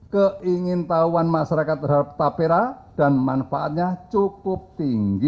keingin tahuan masyarakat terhadap tapera dan manfaatnya cukup tinggi